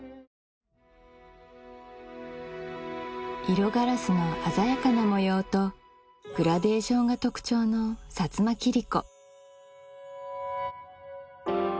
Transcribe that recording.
色ガラスの鮮やかな模様とグラデーションが特徴の薩摩切子